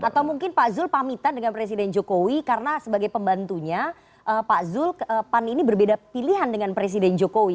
atau mungkin pak zul pamitan dengan presiden jokowi karena sebagai pembantunya pak zul pan ini berbeda pilihan dengan presiden jokowi